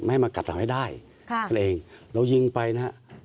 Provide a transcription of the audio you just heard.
ไม่ให้มันกัดหลังให้ได้ค่ะกันเองเรายิงไปนะฮะ